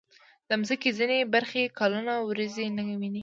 د مځکې ځینې برخې کلونه وریځې نه ویني.